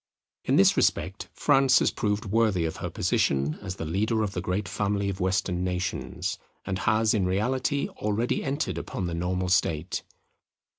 In this respect France has proved worthy of her position as the leader of the great family of Western nations, and has in reality already entered upon the normal state.